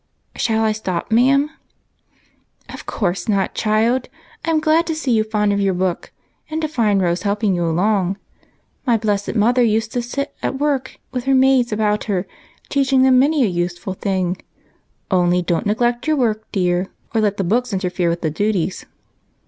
Shall I stop, ma'am ?"" Of course not, child ; I 'm glad to see you fond of your book, and to find Rose helping you along. My blessed mother used to sit at work with her maids about her, teaching them many a useful thing in the good old fashion that's gone by now. Only don't neglect your work, dear, or let the books interfere with the duties."